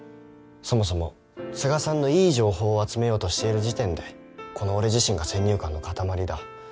そもそも都賀さんのいい情報を集めようとしている時点でこの俺自身が先入観の塊だ。